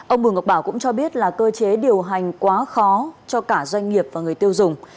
ông bùi ngọc bảo cũng cho biết là cơ chế điều hành quá khó cho cả doanh nghiệp và người tiêu dùng